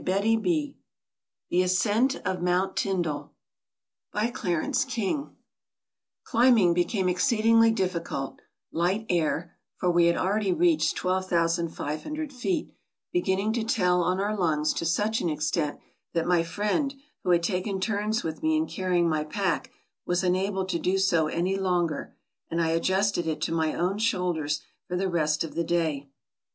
AMERICA The Ascent of Mount Tyndall By CLARENCE KING CLIMBING became exceedingly difficult, light air — for we had already reached 12,500 feet — beginning to tell on our lungs to such an extent that my friend, who had taken turns with me in carrying my pack, was unable to do so any longer, and I adjusted it to my own shoulders for the rest of the day.